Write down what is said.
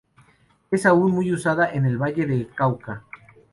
Es aún muy usada en el Valle del Cauca.